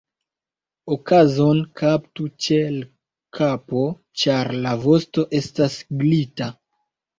Okazon kaptu ĉe l' kapo, ĉar la vosto estas glita.